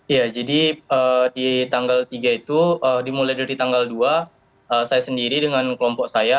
ya jadi di tanggal tiga itu dimulai dari tanggal dua saya sendiri dengan kelompok saya